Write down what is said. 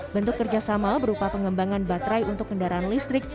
bentuk kerjasama berupa pengembangan baterai untuk kendaraan listrik